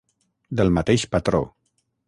Del mateix patró.